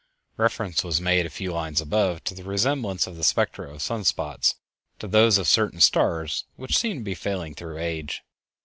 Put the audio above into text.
Reference was made, a few lines above, to the resemblance of the spectra of sun spots to those of certain stars which seem to be failing through age.